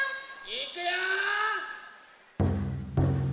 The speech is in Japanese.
いくよ！